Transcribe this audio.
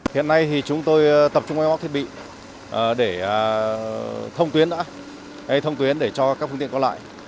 hiện nay thì chúng tôi tập trung vào thiết bị để thông tuyến đã thông tuyến để cho các phương tiện có lại